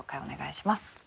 お願いします。